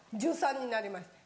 １３になりました。